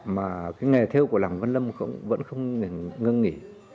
mà cái nghề theo của lòng vân lâm vẫn không ngưng nghỉ